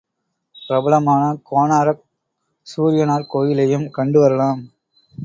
பிரபலமான கோனாரக் சூரியனார் கோயிலையும் கண்டு வரலாம்.